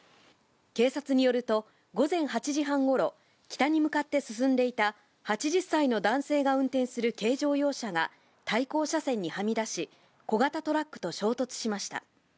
警察によると、午前８時半ごろ、北に向かって進んでいた８０歳の男性が運転する軽乗用車が、対向車線にはみ出し、小型トラックと衝突しました。